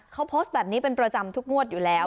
เขาโพสต์แบบนี้เป็นประจำทุกงวดอยู่แล้ว